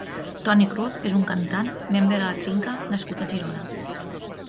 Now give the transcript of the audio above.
Toni Cruz és un cantant, membre de La Trinca nascut a Girona.